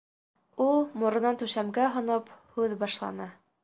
Ул, моронон түшәмгә һоноп һүҙ, башланы.